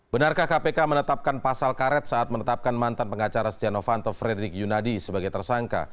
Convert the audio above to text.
benarkah kpk menetapkan pasal karet saat menetapkan mantan pengacara setia novanto fredrik yunadi sebagai tersangka